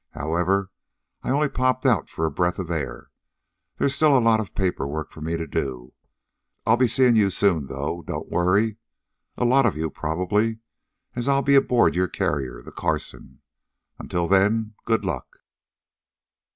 However, I only popped out for a breath of air. There's still a lot of paper work for me to do. I'll be seeing you soon, though; don't worry. A lot of you, probably, as I'll be aboard your carrier, the Carson. Until then, good luck!"